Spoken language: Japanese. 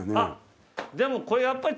でもこれやっぱり。